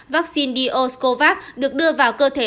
vaccine dioscovac được đưa vào cơ thể